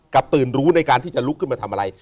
ตื่นรู้ในการที่จะลุกขึ้นมาทำอะไร